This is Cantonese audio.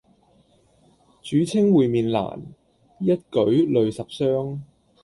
主稱會面難，一舉累十觴。